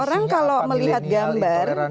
orang kalau melihat gambar